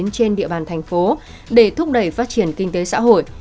trên địa bàn thành phố để thúc đẩy phát triển kinh tế xã hội